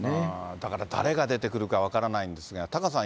だから誰が出てくるか分からないんですが、タカさん